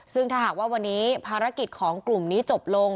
ซึ่งถ้าหากว่าวันนี้ภารกิจของกลุ่มนี้จบลง